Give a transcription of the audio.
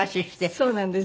そうなんです。